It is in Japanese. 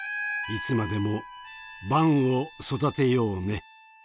いつまでもＶＡＮを育てようネ。